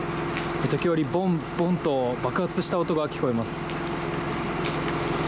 時折ボン、ボンと爆発した音が聞こえます。